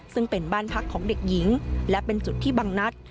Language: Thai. ซึ่งเป็นบ้านพักของเด็กหญิงและเป็นจุดที่บางนัด